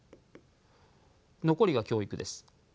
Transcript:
残りが教育です。